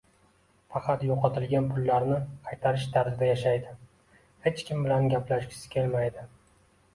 Faqat yoʻqotilgan pullarni qaytarish dardida yashaydi, hech kim bilan gaplashgisi kelmaydi